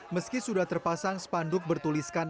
meski sudah terpasang spanduk bertuliskan